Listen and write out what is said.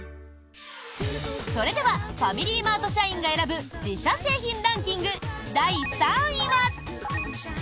それではファミリーマート社員が選ぶ自社製品ランキング、第３位は。